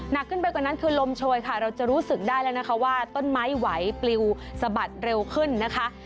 ขึ้นไปกว่านั้นคือลมโชยค่ะเราจะรู้สึกได้แล้วนะคะว่าต้นไม้ไหวปลิวสะบัดเร็วขึ้นนะคะ